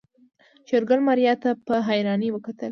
شېرګل ماريا ته په حيرانۍ وکتل.